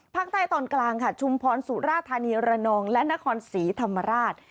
ตอนกลางค่ะชุมพรสุราธานีระนองและนครศรีธรรมราช